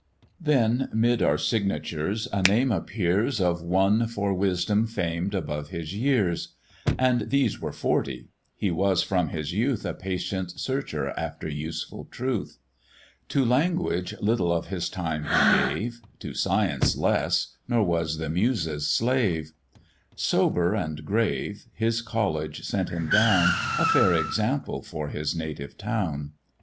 Then, 'mid our Signatures, a name appears, Of one for wisdom famed above his years; And these were forty: he was from his youth A patient searcher after useful truth: To language little of his time he gave, To science less, nor was the Muse's slave; Sober and grave, his college sent him down, A fair example for his native town.